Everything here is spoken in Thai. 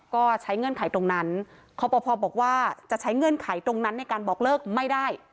ก็ใช้เงื่อนไขตรงนั้นคอปภบอกว่าจะใช้เงื่อนไขตรงนั้นในการบอกเลิกไม่ได้